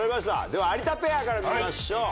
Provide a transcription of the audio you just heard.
では有田ペアから見ましょう。